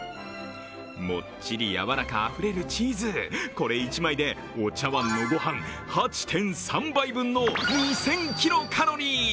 もっちり柔らかあふれるチーズ、これ１枚でお茶碗のご飯８．３杯分の２０００キロカロリー。